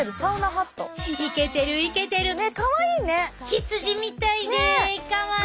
羊みたいでかわいい！